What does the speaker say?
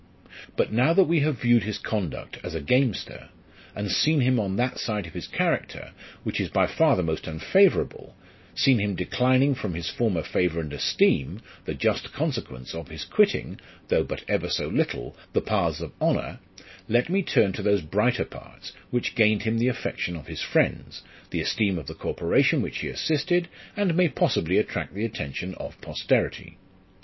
But now that we have viewed his conduct as a gamester, and seen him on that side of his character which is by far the most unfavourable, seen him declining from his former favour and esteem, the just consequence of his quitting, though but ever so little, the paths of honour ; let me turn to those brighter parts, which gained him the affection of his friends, the esteem of the corporation which he assisted, and may possibly attract the attention of posterity.